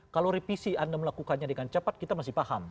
kalau revisi anda melakukannya dengan cepat kita masih paham